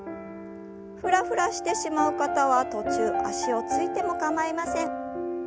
ふらふらしてしまう方は途中足をついても構いません。